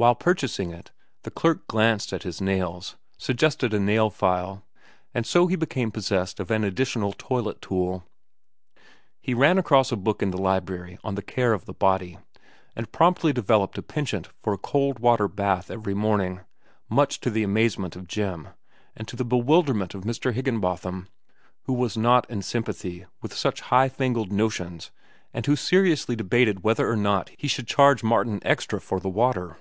While purchasing it, the clerk glanced at his nails, suggested a nail file, and so he became possessed of an additional toilet tool. He ran across a book in the library on the care of the body, and promptly developed a penchant for a cold water bath every morning, much to the amazement of Jim, and to the bewilderment of Mr. Higginbotham, who was not in sympathy with such high fangled notions and who seriously debated whether or not he should charge Martin extra for the water.